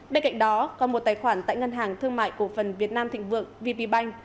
bên cạnh đó có một tài khoản tại ngân hàng thương mại cổ phần việt nam thịnh vượng vbbanh